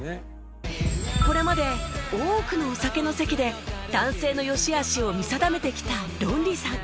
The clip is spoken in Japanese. これまで多くのお酒の席で男性の善しあしを見定めてきたロンリーさん